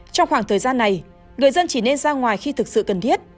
trong khoảng thời gian này người dân chỉ nên ra ngoài khi thực sự cần thiết